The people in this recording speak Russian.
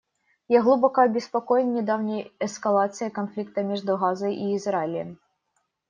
Я глубоко обеспокоен недавней эскалацией конфликта между Газой и Израилем.